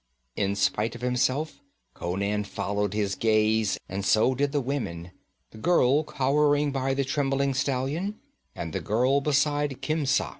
In spite of himself Conan followed his gaze, and so did the women the girl cowering by the trembling stallion, and the girl beside Khemsa.